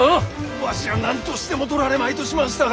わしら何としても取られまいとしましたが。